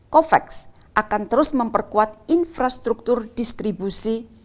covax akan terus memperkuat infrastruktur distribusi